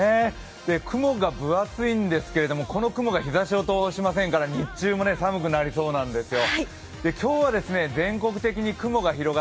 雲が分厚いんですけれども、この雲が日ざしを通しませんから日中も寒くなりそうなんですよ。